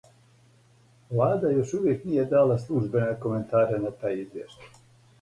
Влада још увијек није дала службене коментаре на тај извјештај.